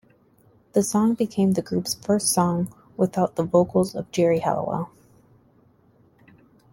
The song became the group's first song without the vocals of Geri Halliwell.